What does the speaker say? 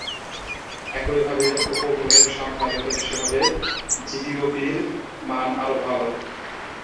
একইভাবে, উপগ্রহের সংখ্যা যত বেশি হবে, জিডিওপি-র মান আরও ভাল।